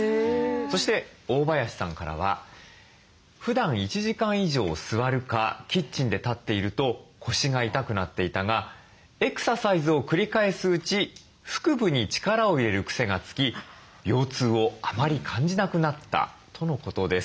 そして大林さんからは「ふだん１時間以上座るかキッチンで立っていると腰が痛くなっていたがエクササイズを繰り返すうち腹部に力を入れる癖がつき腰痛をあまり感じなくなった」とのことです。